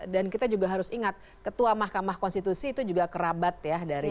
dan kita juga harus ingat ketua mahkamah konstitusi itu juga kerabat ya dari pak jokowi